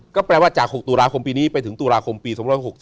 ก็แปลว่าจาก๖ตุลาคมปีนี้ไปถึงตุลาคมปี๒๖๔